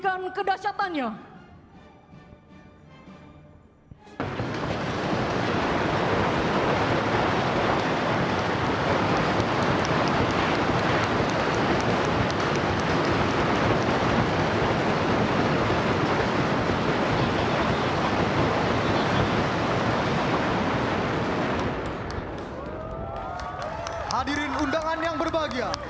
dan kemampuan terbuka